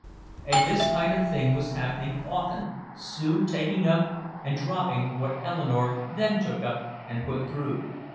And this kind of thing was happening often, Sue taking up and dropping what Eleanore then took up and put through.